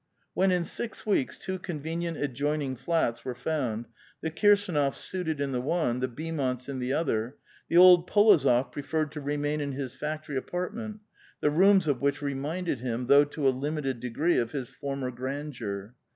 When, in six weeks, two convenient adjoining flats were found, the Kirsdnofs suited in the one, the Beaumonts in the other, the old P61ozof preferred to remain in his factory apartment, the rooms of which reminded him, though to a limited degree, of his former grandeur.